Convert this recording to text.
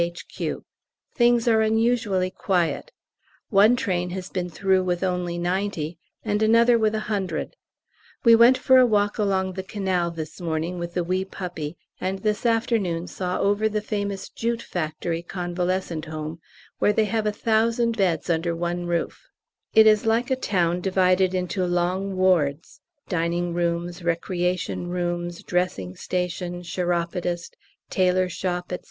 H.Q.; things are unusually quiet; one train has been through with only ninety, and another with a hundred. We went for a walk along the canal this morning with the wee puppy, and this afternoon saw over the famous jute factory Convalescent Home, where they have a thousand beds under one roof: it is like a town divided into long wards, dining rooms, recreation rooms, dressing station, chiropodist, tailor's shop, &c.